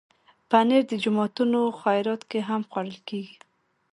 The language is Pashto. پنېر د جوماتونو خیرات کې هم خوړل کېږي.